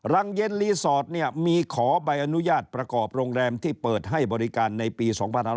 รังเย็นรีสอร์ทเนี่ยมีขอใบอนุญาตประกอบโรงแรมที่เปิดให้บริการในปี๒๕๖๐